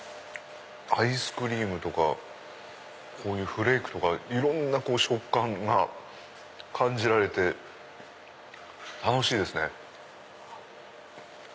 アイスクリームとかこういうフレークとかいろんな食感が感じられて楽しいですね。